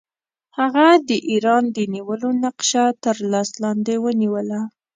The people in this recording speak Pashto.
هغه د ایران د نیولو نقشه تر لاس لاندې ونیوله.